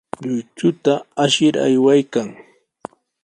Lluychuta ashir aywaykan.